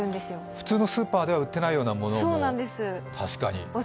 普通のスーパーでは売ってないようなものも。